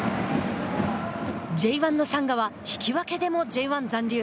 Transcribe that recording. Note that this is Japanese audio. Ｊ１のサンガは引き分けでもＪ１残留。